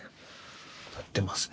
なってますね。